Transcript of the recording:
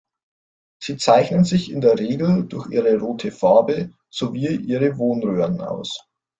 Sie zeichnen sich in der Regel durch ihre rote Farbe sowie ihre Wohnröhren aus.